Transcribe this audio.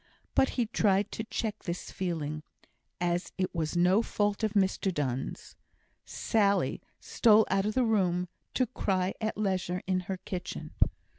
But he tried to check this feeling, as it was no fault of Mr Donne's. Sally stole out of the room, to cry at leisure in her kitchen.